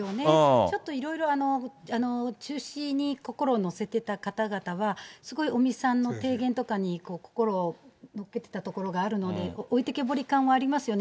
ちょっといろいろ中止に心を乗せてた方々はすごい尾身さんの提言とかに心を乗っけてたところがあるので、置いてけぼり感はありますよね。